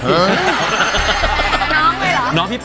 มีด้านน้องมั้ยหรอ